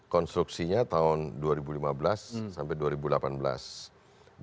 konstruksinya tahun dua ribu lima belas sampai dua ribu delapan belas